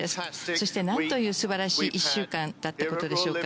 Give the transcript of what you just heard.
そしてなんという素晴らしい１週間だったことでしょうか。